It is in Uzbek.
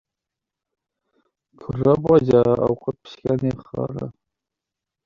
— Eshitdingiz, o‘rtoq Toshev? Guvoh bo‘lasiz!